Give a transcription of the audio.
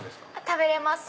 食べれます。